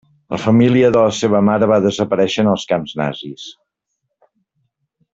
La família de la seva mare va desaparèixer en els camps nazis.